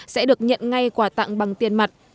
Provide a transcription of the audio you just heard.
sẽ được nhận ngay quà tặng bằng tiền mặt